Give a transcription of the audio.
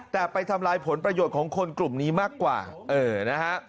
แต่ไปทำลายผลประโยชน์ของคนกลุ่มนี้มากกว่าเออนะฮะ